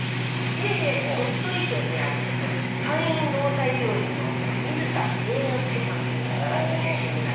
いえいえ鳥取県にある山陰労災病院の水田栄之助さんという方が中心になって。